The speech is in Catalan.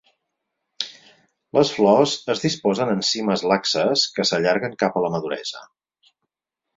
Les flors es disposen en cimes laxes que s'allarguen cap a la maduresa.